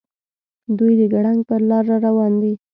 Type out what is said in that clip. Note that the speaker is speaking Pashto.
دوي د ګړنګ پر لار راروان دي.